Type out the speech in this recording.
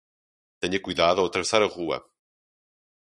Tenha cuidado ao atravessar a rua